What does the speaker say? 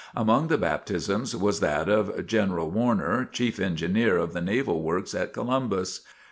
Among the baptisms, was that of General Warner, chief engineer of the Naval Works at Columbus.